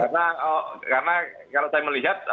karena kalau saya melihat